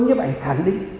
nhếp ảnh khẳng định